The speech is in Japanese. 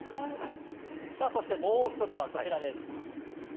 そしてもう１つはこちらです。